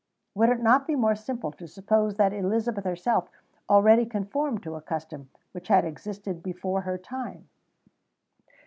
Would it not be more simple to suppose that Elizabeth herself already conformed to a custom which had existed before her time?